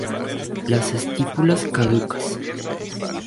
Las estípulas caducas.